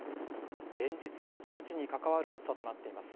連日、命に関わる暑さとなっています。